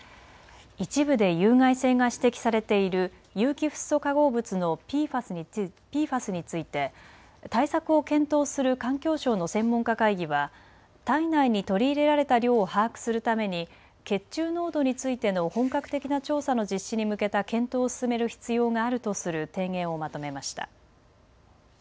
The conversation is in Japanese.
一部で有害性が指摘されている有機フッ素化合物のＰＦＡＳについて対策を検討する環境省の専門家会議は体内に取り入れられた量を把握するために血中濃度についての本格的な調査の実施に向けた検討を進める必要があるとする提言をまとめました。